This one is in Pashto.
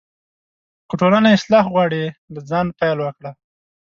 که ټولنه اصلاح غواړې، له ځانه پیل وکړه.